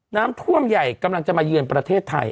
น้ำท่วมใหญ่กำลังจะมาเยือนประเทศไทย